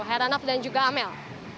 heranaf dan juga amel